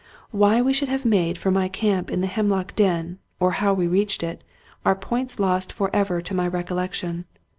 Why we should have made for my camp in the Hemlock Den, or how we reached it, are points lost for ever to my recollection.